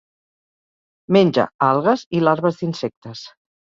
Menja algues i larves d'insectes.